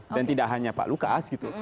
dan tidak hanya pak lukas gitu